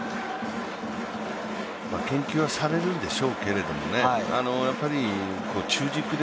研究はされるんでしょうけれども、中軸で